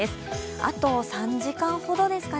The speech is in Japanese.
あと３時間ほどですかね